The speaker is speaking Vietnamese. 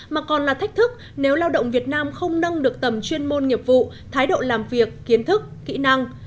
mà còn là thách thức nếu lao động việt nam không nâng được tầm chuyên môn nghiệp vụ thái độ làm việc kiến thức kỹ năng